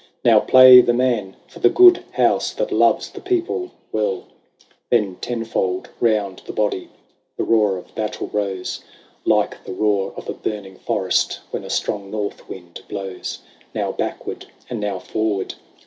Now play the men for the good house That loves the people well !" XIX. Then tenfold round the body The roar of battle rose. Like the roar of a burning forest. When a strong northwind blows. Now backward, and now forward.